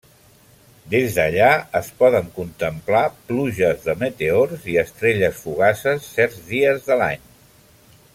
Des d'allà es poden contemplar pluges de meteors i estrelles fugaces certs dies de l'any.